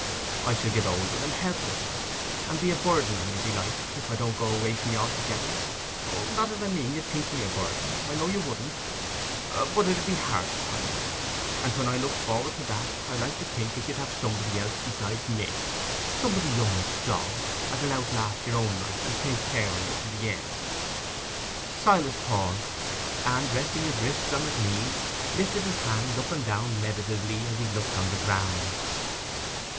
I shall get older and helplesser, and be a burden on you, belike, if I don't go away from you altogether. Not as I mean you'd think me a burden—I know you wouldn't—but it 'ud be hard upon you; and when I look for'ard to that, I like to think as you'd have somebody else besides me—somebody young and strong, as'll outlast your own life, and take care on you to the end." Silas paused, and, resting his wrists on his knees, lifted his hands up and down meditatively as he looked on the ground.